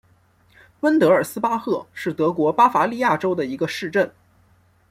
温德尔斯巴赫是德国巴伐利亚州的一个市镇。